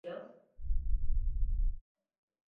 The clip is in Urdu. مئی کے مقابلے میں پٹرول مہنگا ہوگیا